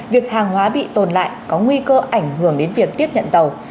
việc hàng hóa bị tồn lại có nguy cơ ảnh hưởng đến việc tiếp nhận tàu